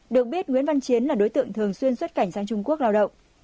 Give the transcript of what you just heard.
được biết nguyễn văn chiến là đối tượng thường xuyên xuất cảnh sang trung quốc lao động